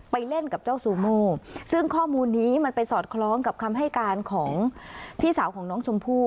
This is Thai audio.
เล่นกับเจ้าซูโมซึ่งข้อมูลนี้มันไปสอดคล้องกับคำให้การของพี่สาวของน้องชมพู่